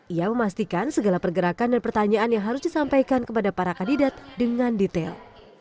ia memastikan segala pergerakan dan pertanyaan yang harus disampaikan kepada para kandidat dengan detail